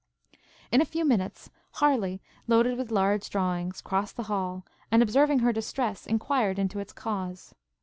In a few minutes, Harleigh, loaded with large drawings, crossed the hall, and, observing her distress, enquired into its cause.